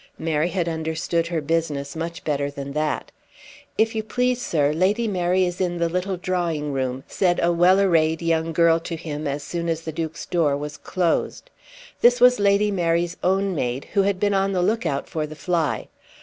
Mary had understood her business much better than that. "If you please, sir, Lady Mary is in the little drawing room," said a well arrayed young girl to him as soon as the Duke's door was closed. This was Lady Mary's own maid who had been on the look out for the fly.